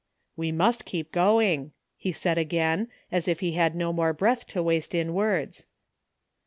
"We must keep going," he said again, as if he had no more breath to waste in words.